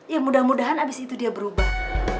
ya mudah mudahan abis itu dia berubah